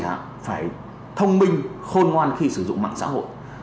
chúng ta cần phải thông minh khôn ngoan khi sử dụng mạng xã hội